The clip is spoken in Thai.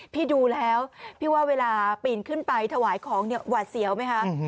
ดูแล้วพี่ว่าเวลาปีนขึ้นไปถวายของเนี่ยหวาดเสียวไหมคะ